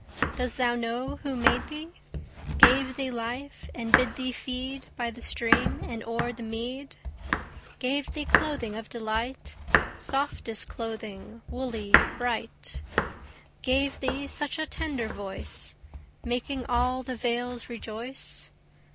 Does thou know who made thee, Gave thee life, and bid thee feed By the stream and o'er the mead; Gave thee clothing of delight, Softest clothing, woolly, bright; Gave thee such a tender voice, Making all the vales rejoice?